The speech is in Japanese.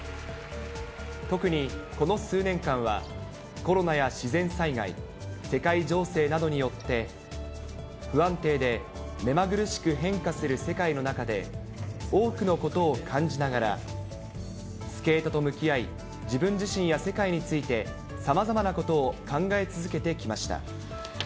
特に、この数年間は、コロナや自然災害、世界情勢などによって、不安定で目まぐるしく変化する世界の中で、多くのことを感じながら、スケートと向き合い、自分自身や世界についてさまざまなことを考え続けてきました。